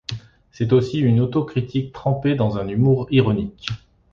C’est aussi une autocritique trempée dans un humour ironique.